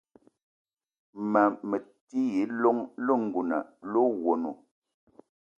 Ma me ti yi llong lengouna le owono.